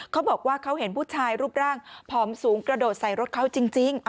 เขาบอกว่าเขาเห็นผู้ชายรูปร่างผอมสูงกระโดดใส่รถเขาจริง